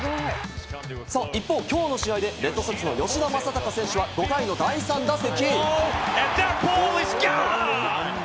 一方、きょうの試合でレッドソックスの吉田正尚選手は５回の第３打席。